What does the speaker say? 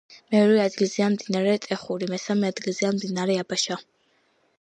მეორე ადგილზეა მდინარე ტეხური, მესამე ადგილზეა მდინარე აბაშა.